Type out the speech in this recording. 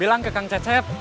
bilang ke kak ngececep